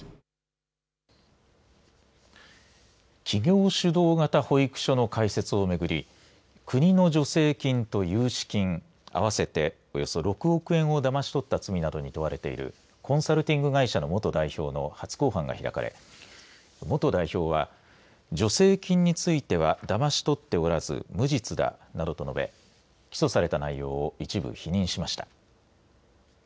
企業主導型保育所の開設を巡り国の助成金と融資金合わせて、およそ６億円をだまし取った罪などに問われているコンサルティング会社の元代表の初公判が開かれ元代表は助成金についてはだまし取っておらず、無実だなどと述べ起訴された内容を一部、否認しました。